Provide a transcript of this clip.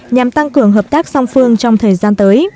nhằm tăng cường hợp tác song phương trong thời gian tới